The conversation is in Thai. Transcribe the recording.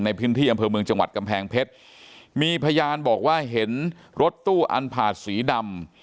ในพื้นที่อำเภอเมืองจังหวัดกำแพงเพชรมีพยานบอกว่าเห็นรถตู้อันผาดสีดำ